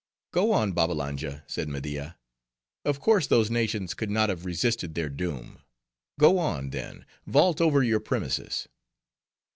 "Go on, Babbalanja," said Media. "Of course those nations could not have resisted their doom. Go on, then: vault over your premises."